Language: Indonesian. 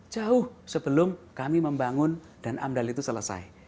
jauh sebelum kami membangun dan amdal itu selesai